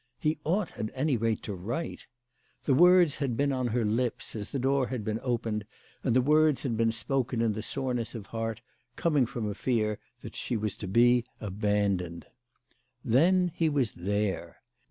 "He ought at any rate to write." The words had been on her lips as the door had been opened, and the words had been spoken in the soreness of heart coming from a fear that she was to be abandoned. Then he was there.